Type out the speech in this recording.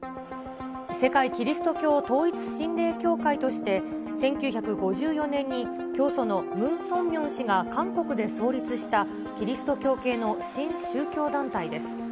世界基督教統一神霊協会として、１９５４年に教祖のムン・ソンミョン氏が韓国で創立した、キリスト教系の新宗教団体です。